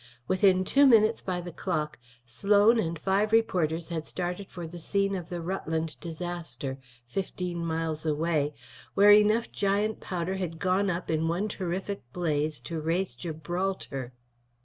Within two minutes by the clock Sloan and five reporters had started for the scene of the Rutland disaster, fifteen miles away, where enough giant powder had gone up in one terrific blast to raze Gibraltar.